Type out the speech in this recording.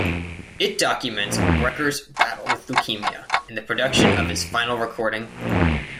It documents Brecker's battle with leukemia, and the production of his final recording.